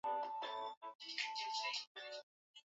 Mbuzi wanaweza kuhara damu kutokana na ugonjwa